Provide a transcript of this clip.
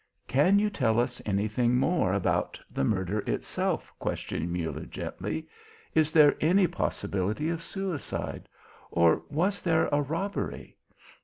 "Can you tell us anything more about the murder itself?" questioned Muller gently. "Is there any possibility of suicide? Or was there a robbery?"